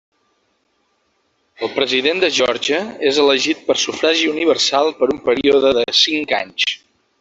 El president de Geòrgia és elegit per sufragi universal per un període de cinc anys.